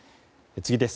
次です。